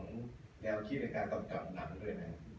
แนวคิดในการกำกับหนังด้วยนะ